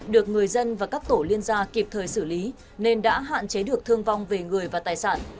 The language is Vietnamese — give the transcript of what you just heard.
được người dân và các tổ liên gia kịp thời xử lý nên đã hạn chế được thương vong về người và tài sản